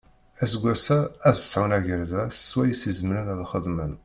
Aseggas-a ad sɛun agerdas swayes i zemren ad xedmen.